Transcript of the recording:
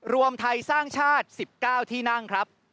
รวมไทยสร้างชาติ๑๙ที่นั่งครับ